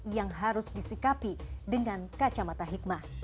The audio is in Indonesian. yang harus disikapi dengan kacamata hikmah